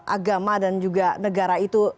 agama dan juga negara itu